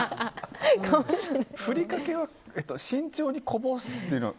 ふりかけは慎重にこぼすっていうのは。